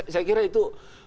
saya kira itu